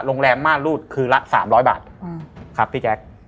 โรงแรมมารรูดคือละ๓๐๐บาทครับพี่แจ๊ก